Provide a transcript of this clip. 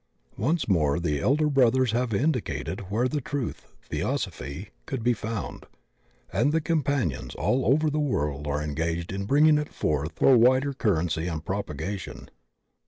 Once more the elder brothers have indicated where the truth — Theosophy — could be found, and the companions all over the world are engaged in bringing it forth for wider currency and propagation.